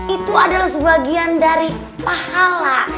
itu adalah sebagian dari pahala